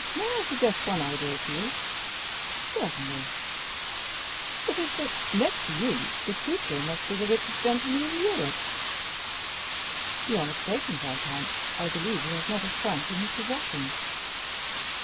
"Count, may I suggest one idea to you?" "Certainly." "It is that, next to you, Bertuccio must be the richest gentleman in Europe." "You are mistaken, viscount; I believe he has not a franc in his possession."